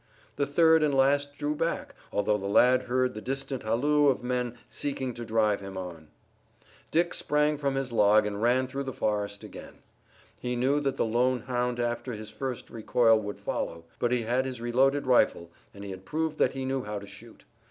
The third and last drew back, although the lad heard the distant halloo of men seeking to drive him on. Dick sprang from his log and ran through the forest again. He knew that the lone hound after his first recoil would follow, but he had his reloaded rifle and he had proved that he knew how to shoot.